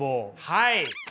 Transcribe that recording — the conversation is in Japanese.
はい。